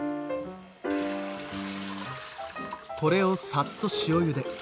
これをさっと塩ゆで。